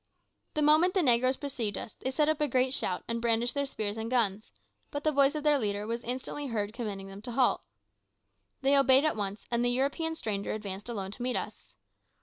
The moment the negroes perceived us, they set up a great shout and brandished their spears and guns, but the voice of their leader was instantly heard commanding them to halt. They obeyed at once, and the European stranger advanced alone to meet us.